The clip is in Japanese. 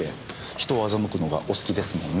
人を欺くのがお好きですもんね。